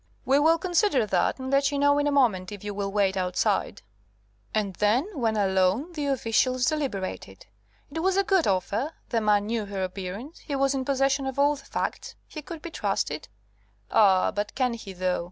"We will consider that, and let you know in a moment, if you will wait outside." And then, when alone, the officials deliberated. It was a good offer, the man knew her appearance, he was in possession of all the facts, he could be trusted "Ah, but can he, though?"